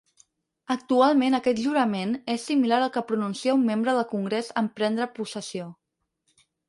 Actualment aquest jurament és similar al que pronuncia un membre del Congrés en prendre possessió.